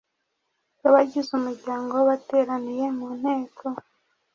bw abagize umuryango bateraniye mu nteko